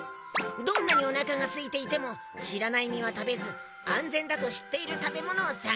どんなにおなかがすいていてもしらないみはたべずあんぜんだとしっているたべものをさがそう。